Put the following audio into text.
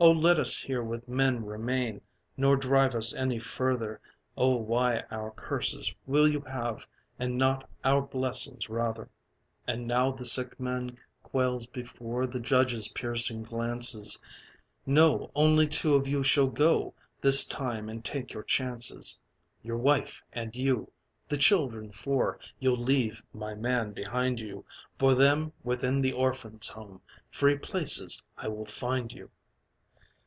Oh let us here with men remain, Nor drive us any further! Oh why our curses will you have, And not our blessings rather!" And now the sick man quails before The judge's piercing glances: "No, only two of you shall go This time and take your chances. Your wife and you! The children four You'll leave, my man, behind you, For them, within the Orphan's Home, Free places I will find you."